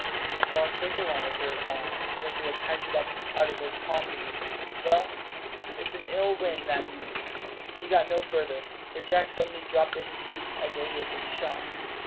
"And a far safer one," observed Don, "than if we had patched it up out of those palm leaves. Well, it's an ill wind that " He got no further, for Jack suddenly dropped at his feet as though he had been shot.